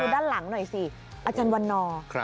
ด้านหลังหน่อยสิอาจารย์วันนอร์